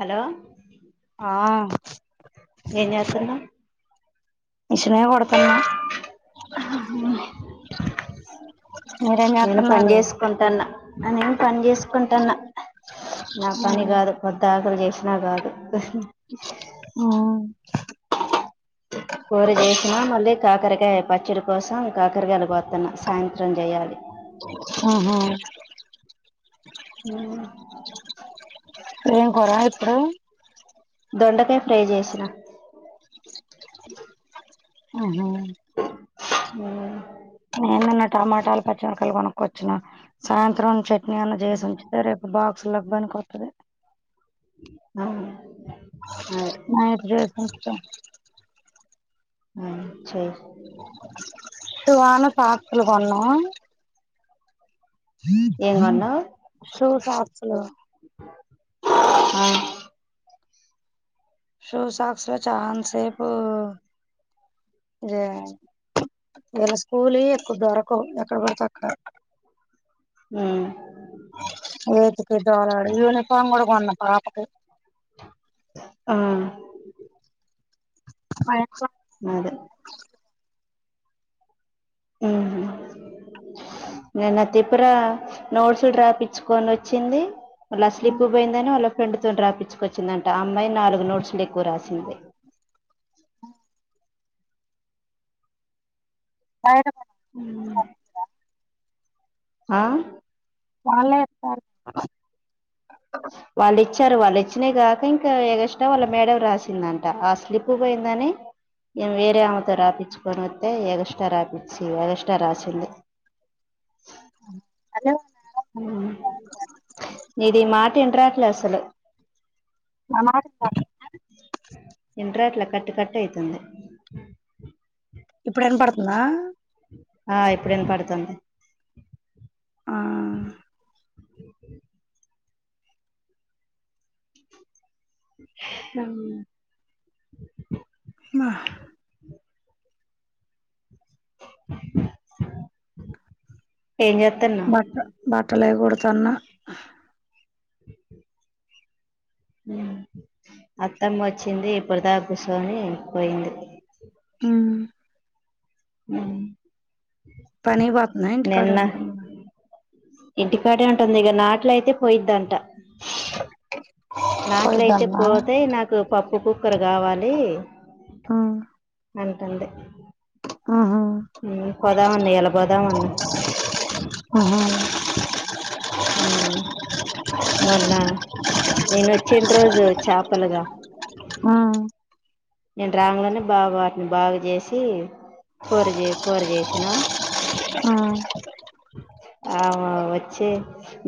Hello ఆ ఏం చేస్తున్నావ్ స్ప్రే కొడితే న్నా నేను పని చేసుకుంటాన్నా నేను పని చేసుకుంటాన్నా నా పని కాదు పొద్దా కలి చేసినా కాదు ఆ కూర చేసిన మళ్ళీ కాకరకాయ పచ్చడి కోసం కాకరకాయలు కోత్తున్నా సాయంత్రం చేయాలి అహా ఉ ఏం కూర ఇప్పుడు దొండకాయ ఫ్రై చేసిన అహా ఉ నేను అన్న టమాటాలు పచ్చిమిర్కాయ కొనుక్కొచ్చిన సాయంత్రం చట్నీ అన్నా చేసి ఉంచ సరే రేపు బాక్స్లోకి పనికి వత్తది అ నైట్ డే మొత్తం మ్మ్ చైయ్ సువనా సాక్సులు కొన్నావ్ ఏం కొన్నావ్ షూ సాక్సులు ఆ షూ సాక్స్ లే చాన్సేపు ఇదే వీళ్ళ స్కూల్ వి ఎక్కువ దొరకవు ఎక్కడ బడితే అక్కడ మ్మ్ వేతికి దోలాడు యూనిఫామ్ కూడా కొన్న పాపకి ఆ హాయక్క అదే ఉమ్ నేనై దిపురా నోట్స్ డ్రాప్చ్చుకొని ఒచ్చింది వాళ్ళ స్లిప్ పోయిందని వాళ్ళ ఫ్రెండ్ తో డ్రాపచ్చుకొచ్చిందంట ఆ అమ్మాయి నాలుగు నోట్స్లు ఎక్కువ రాసింది ఆయ ఉమ్ ఆ వాళ్ళే ఎస్తారు వాళ్ళు ఇచ్చారు వాళ్ళు ఇచ్చిన కాక ఇంకా ఎగష్ట వాళ్ళ మేడం రాసిందంట ఆ స్లిప్ పోయిందని నేన్ వేరే ఆమ్మెతో రాపిచ్చుకొని ఒతే ఎగష్ట రాపచ్చి ఎగస్ట్రా రాసింది హలో ఉమ్ నీది మాట ఇన్రాట్లేదు అసలు ఆ మ మాట ఇన్రాట్లే కట్ కట్ అయితుంది ఇప్పుడు ఇన్నపడుతుందా ఆ ఇప్పుడు ఇనబడుతుంది ఆ సామ్ మా [inaudible] ఏం జేతేన్ బట్ట బట్టలే కూడతన్నా [inaudible] ఉమ్ అత్తమ్మ అచ్చింది ఇప్పుడు దాకా కుసోని పోయింది ఉమ్ ఉమ్ పనికి పోతుందా ఇంటికాడే నిన్న ఉంటుందా ఇంటి కాడే ఉంటుంది ఇక నాట్ల అయితే పోయిద్దంట [inaudible] నాట్ల అయితే పోయిద్దన్నా పోతే నాకు పప్పు కుక్కర్ కావాలి అంటుంది ఆహా హ్మ్ పోదామంది ఇయ్యాల పోదామంది ఉహూ ఉమ్ మొన్న నేను వచ్చిన రోజు చాపలుగా ఉ నేను రాంగానే బావా వాటిని బాగా చేసి కూర చే కూర చేసినం ఆ ఆ వచ్చి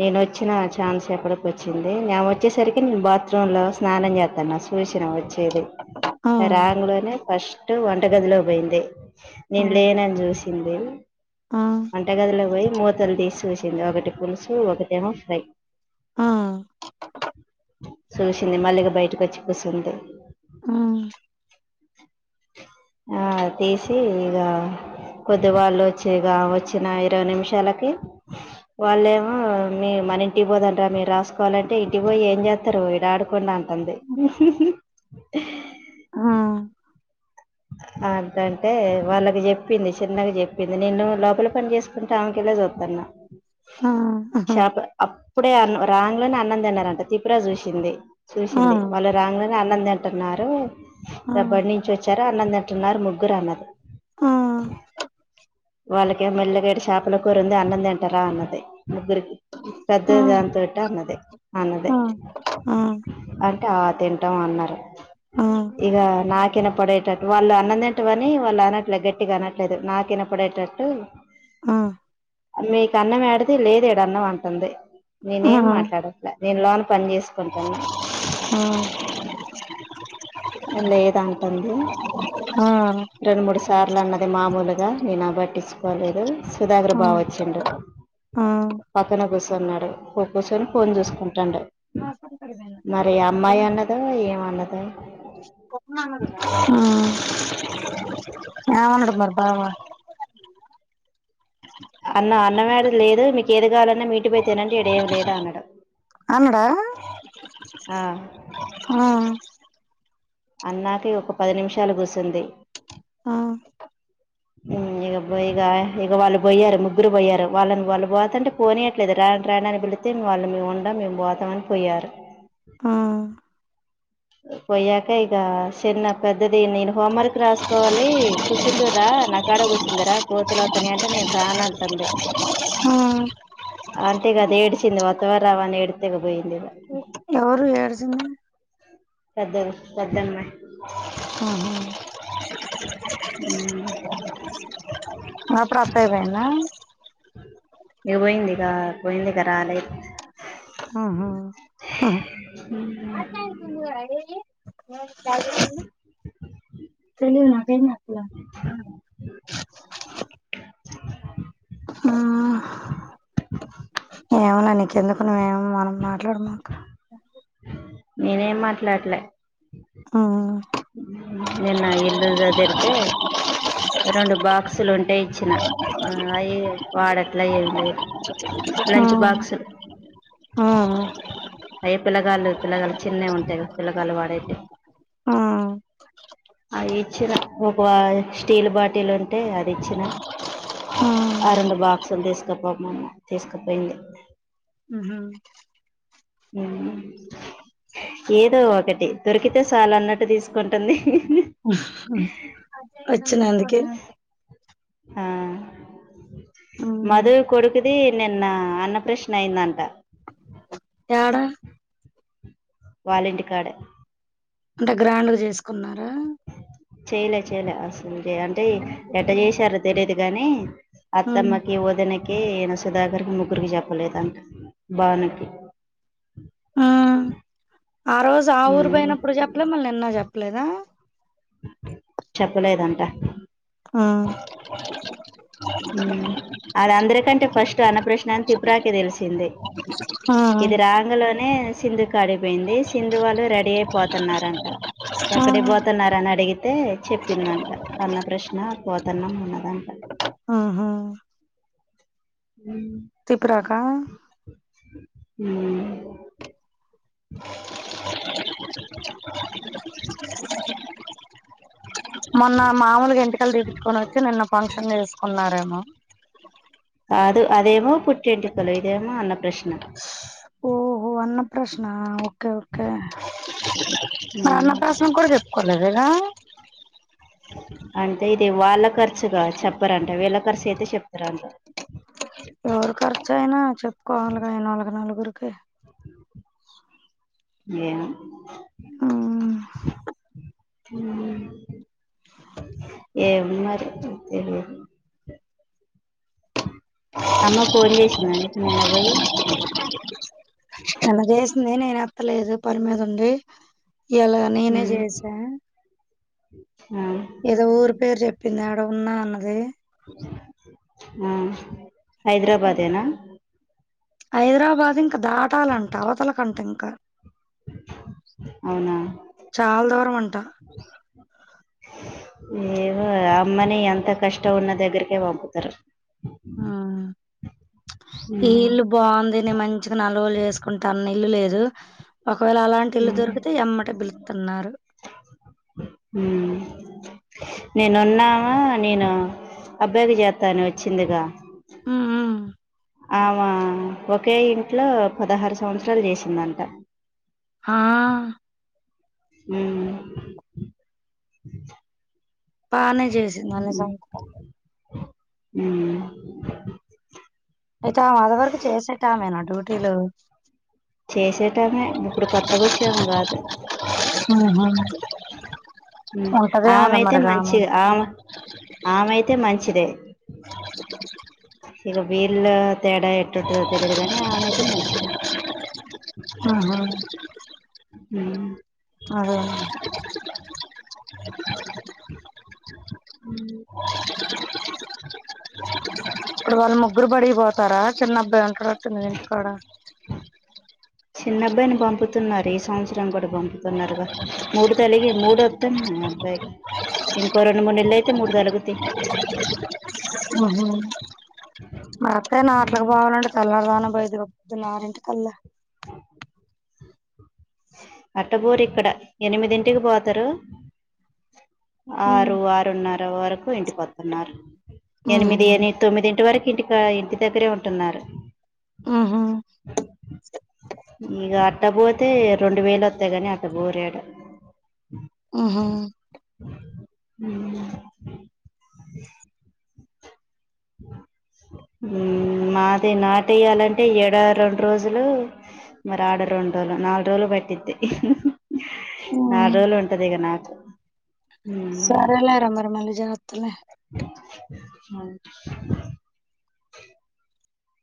నేను వచ్చిన చానాసేపటికి వచ్చింది నే వ చ్చేసరికి నేను బాత్రూమ్ లో స్నానం చేత్తున్న సుసిన వచ్చేది ఆ రాంగనే ఫస్ట్ వంట గదిలో పోయింది నేను లేనని చూసింది వంటగదిలో పోయి మూతలు తీసి చూసింది ఒకటి పులుసు ఒకటేమో ఫ్రై ఆ చూసింది మళ్ళగా బయటకు వచ్చి కూసుంది ఆ ఆ తీసి ఇగా కొద్ది వాళ్ళు వచ్చేగా వచ్చిన ఇరవై నిమిషాలకి వాళ్ళేమో మీ మన ఇంటికి పోదంటార మీరు రాసుకోవాలంటే ఇంటికి పోయి ఏం చేస్తారు ఈడ ఆడుకోండి అన్ అంది హ్మ్ వద్దంటే వాళ్ళకి చెప్పింది చిన్నగా చెప్పింది నేను లోపల పని చేస్ తంటే ఆమెకళ్లె చూత్తన్న ఆ ఆ షాప్ అప్పుడే అ రాంగానే అన్నం తిన్నారంట త్రిపురా చూసింది చూసింది వాళ్ళ రాంగానే అన్నందింటన్నారు ఆ ర బడి నుంచి వచ్చారు అన్నందింటున్నారు ముగ్గురు అన్నది వాళ్ళకి మెల్లగా ఈడ చేపల కూరుంది అన్నందింటారా అన్నది ముగ్గురికి ఆ పెద్దదాంతోటి అన్నది అన్నదే ఆ ఆ ఆ ఆ ఆ ఆ అంటే ఆ తింటాం అన్నారు ఇక నాకిన పడేటట్టు వాళ్ళు అన్నందింటవని వాళ్ళు అనట్లేదు గట్టిగా అనట్లేదు నాకు వినపడేటట్టు ఆ మీకు అన్నం ఏడది లేదు ఈడ అన్నం అంటుంది నేనేం మాట్లాడ నేను లోన పని చేసుకుంటున్నా హ్మ్ ఏం లేదు అంటంది రెండు మూడు సార్లు సార్లు అన్నది మామూలుగా మీనా పట్టించుకోలేదు సుధాకర్ ఆ ఆ బావ వచ్చిండు ఆ పక్కన కూసున్నాడు కూసోని ఫోన్ చూసుకుంటుండు హాస్పిటల్ పోయినక్క మరి అమ్మాయి అన్నదో ఏమన్నదో ఏమన్నడు మరి బావ అన్న అన్నమేడ లేదు మీకు ఏది కావాలన్నా మీ ఇంటికి పోయి తినండి ఈడ ఏమి లేదు అన్నడు అన్నాడా ఆ అన్నాకి ఒక పది నిమిషాలు కూసుంది ఆ హ్మ్ ఇక ఇక ఇక వాళ్ళు పోయారు ముగ్గురు పోయారు వాళ్ళని వాళ్ళు పోతంటే పోనీయట్లేదు రా రాండని పిలిత్తే వాళ్ళు ఇగ మేము ఉండం మేము పోతామని పోయారు ఆ పొయ్యాక ఇక చిన్నప్ప పెద్దది నేను హోంవర్క్ రాసుకోవాలి కూసుందువురా నా కాడ కూసుందురా కోతులు వత్ వత్తన్నయ్ అంటే నేను రానాంటంది హ అంటేగాద ఏడిచింది ఒత్తవ రావా అని ఏడిత్తే ఇక పోయింది ఇగ ఎవరు ఏడిసింది పెద్దది పెద్దమ్మాయి ఊహూ ఉమ్ అప్పుడు అత్తయ్య పోయిందా ఇక పోయింది ఇక పోయింది ఇక రాలే ఊహూ మీరు నాకేం చెప్పలా ఏమో నే నీకెందుకు నువ్వేం మనం మాట్లాడమాకు నేనేం మాట్లాడట్లే హ్మ్ నిన్న ఇల్లు [unintelligible] రెండు బాక్సులు ఉంటే ఇచ్చిన అ వాడట్ల ఏం లే ఆ అయ పిల్లగాలు పిల్లగాలు చిన్నవి ఉంటాయి కదా పిల్లగాలు వాడతే అవి ఇచ్చిన ఒక స్టీల్ బాటిలు ఉంటే అది ఇచ్చిన ఆ రెండు బాక్సులు తీసుకపోమన్న తీసుకపోయింది ఉహు ఏదో ఒకటి దొరికితే సాలు అన్నట్టు తీస్ కుంటుంది వచ్చిన అందుకే ఆ మధు కొడుకుది నిన్న అన్న ప్రశ్న అయిందంట యాడ వాలింటి కడే అంటే గ్రాండ్గా చేసుకున్నారా చెయలే చెయలే అసలు అంటే ఎట్ట చేసారో తెలియదు గానీ అత్తమ్మకి ఒదినకి సుధాకర్కి ముగ్గురికి చెప్పలేదు అంట బావునకి ఆ ఆ రోజు ఆ ఊరు పోయినప్పుడు చెప్పలే మళ్ళ నిన్న చెప్పలేద చెప్పలేదంట ఆ అది అందరికంటే ఫస్ట్ అన్నప్రశ్న అని తిపురాకే తెలిసింది హ ఇది రాంగు లోనే సింధుకడికి పోయింది సింధు వాళ్ళు రెడీ అయిపోతున్నారంట ఎక్కడే పోతున్నారు అని అడిగితే చెప్ చెప్పిందంట అన్న ప్రశ్న పోతన్నం అన్నదంట ఆ ఉ త్రిపురాకా ఊ మొన్న మామూలుగ ఎంటకలు తీర్చ్చుకొని వచ్చి నిన్న ఫంక్షన్ చేసుకున్నారేమో కాదు అదేమో పట్టెంటుకులు ఇదేమో అన్న ప్రశ్న ఓహో అన్న ప్రశ్న ఒ ఓకే ఓకే [unintelligible] అన్న ప్రశ్న కూడ చెప్పుకోలేదగా అంటే ఇది వాళ్ళ ఖర్చుగా చెప్పరంట వేళ ఖర్చు అయితే చెప్తారంట ఎవరు ఖర్చు అయినా చెప్పుకోవాలిగ అయినోళ్లకి నలుగురికి ఏమో అ హు ఏమో మరి తెలిదు ఆ అమ్మ ఫోన్ చేసింద నీకు నిన్న పోయి అన్న చేసింది నేను ఎత్తలేదు పని మీద ఉండి ఇయల నేనే ఉమ్. చేసా ఆ ఏదో ఊరు పేరు చెప్పింది ఆడ ఉన్నా అన్నది ఆ హైదరాబాదేనా హైదరాబాద్ ఇంకా దాటాలంట అవతలకంట ఇంకా అవునా చాలా దూరం అంట ఏవో అమ్మని అంతా కష్టం ఉన్న దగ్గరకే పంపుతారు ఆ ఈ ఉమ్, ఇల్లు బాగుంది నేన్ మంచిగా నల్రోలు చేసుకుంటాన్నా ఇల్లు లేదు ఒకవేళ అలాంటి ఇల్లు దొరికితే ఎమ్మట పిలుతున్నారు ఉహ్ నేనున్నావా నేను అబ్బాయికి చేస్తాని వచ్చిందిగా ఉ ఉ ఆమా ఒకే ఇంట్లో పదహారు సంవత్సరాలు చేసిందంట ఆహ్ ఉహ్ బానే చేసింది అన్ని సమత్సరాలు ఉ అయితే ఆమె అదవరకు చేసేటామేనా డ్యూటీలు చేసేటామే ఇప్పుడు కొత్తగోచ్చామే కాదు ఆహా ఆమె ఉంటదేమోలే అయితే మరిగా మంచి ఆమె ఆమయితే మంచిదే ఇక వీళ్ళ తేడా ఏటుంటదో తెలియదు కానీ ఆమైతే మంచిదే ఆహా హ్మ్ అదే ఇవాళ్ళ ముగ్గరు బడి బోత్ స్తారా చిన్న అబ్బాయి ఉంటాడొచ్చు ఇంటికాడ చిన్నబ్బాయిని పంపుతున్నారు ఈ సంవత్సరం కూడా పంపు తున్నారుగా మూడు తలిగి మూడు వత్తానాయి అబ్బాయికి ఇంకో రెండు మూడు నెల్లయితే మూడు తలుగుతాయి ఆహు మా అత్తయ్య నట్లకూ బోవాలంటే తెల్లార్జమున [unintelligible] అరిటికల్ల అట్టబోరు ఇక్కడ ఎనిమిదింటికి పోతారు హ్మ్ ఆరు ఆరున్నర వరకు ఇంటికోత్తున్నారు ఎనిమిది హ్మ్. ఎని తొమ్మిదింటి వరకు ఇంటిక ఇంటి దగ్గరే ఉంటున్నారు ఆహా ఇక అట్టపోతే రెండు వేలు ఒత్తయి కాని అట్టపోరు ఇడ ఆహా ఉ మాది నాటేయాలంటే ఏడా రెండు రోజులు మరి ఆడ రెండు రోజులు నాలుగు రోజులు పట్టిద్ది నాలుగు హ్మ్. రోజులు ఉంటది ఇగ నాకు సరేలేర మరీ మళ్ళీ జేత్తలే ఉమ్